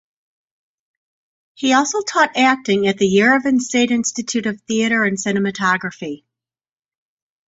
He also taught acting at the Yerevan State Institute of Theatre and Cinematography.